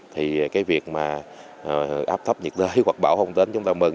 thì cái việc mà áp thấp nhiệt đới hoặc bão không đến chúng ta mừng